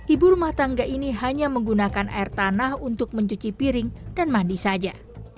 ibu rumah tangga ini hanya menggunakan air tanah untuk mencuci piring dan mandi saja